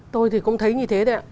tôi thì cũng thấy như thế đấy ạ